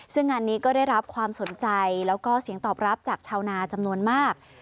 ซึ่งงานนี้ก็ได้รับความสนใจแล้วก็เสียงตอบรับจากชาวนาจำนวนมาก